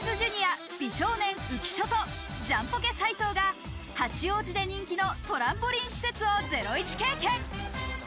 ジャニーズＪｒ．美少年、浮所とジャンポケ・斉藤が八王子で人気のトランポリン施設をゼロイチ経験。